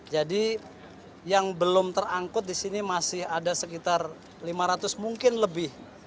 jadi yang belum terangkut di sini masih ada sekitar lima ratus mungkin lebih